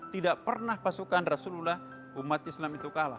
tidak pernah pasukan rasulullah umat islam itu kalah